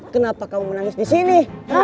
kenapa kamu menangis disini